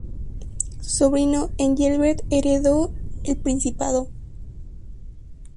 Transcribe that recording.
Su sobrino, Engelbert, heredó el principado.